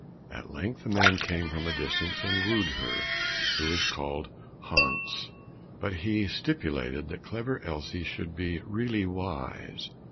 At length a man came from a distance and wooed her, who was called Hans; but he stipulated that Clever Elsie should be really wise.